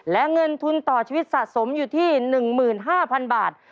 และเงินทุนต่อชีวิตสะสมอยู่ที่๑๕๐๐๐บาท